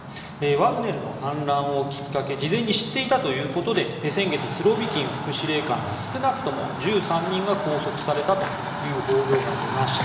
ワグネルの反乱をきっかけに事前に知っていたということで先月、スロビキン副司令官ら少なくとも１３人が拘束されたという報道が出ました。